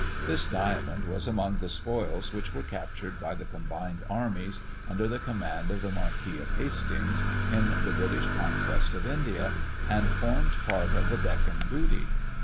This diamond was among the spoils which were captured by the combined armies, under the command of the Marquis of Hastings, in the British conquest of India, and formed part of the "Deccan booty."